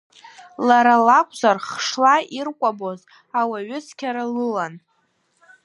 Лара лакәзар хшла иркәабоз ауаҩыцқьара лылан.